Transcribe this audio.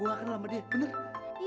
gue gak kenal sama dia bener